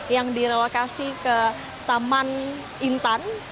yang direlokasi ke taman intan yang berjarak dua ratusan juta meter